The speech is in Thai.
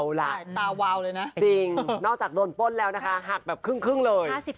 จริงนอกจากโดนพลแล้วหักแบบครึ่งเลย